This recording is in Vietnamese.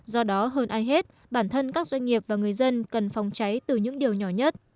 do đó hơn ai hết bản thân các doanh nghiệp và người dân cần phòng cháy từ những điều nhỏ nhất